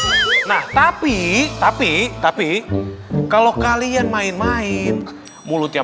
menjadi sepuluh ya bahkan tujuh ratus kebaikan nah tapi tapi tapi kalau kalian main main mulut yang